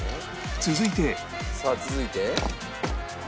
続いてさあ続いて。